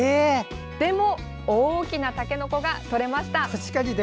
でも、大きなたけのこがとれました。